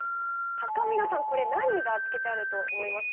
たかみなさん、これ何が漬けてあると思いますか。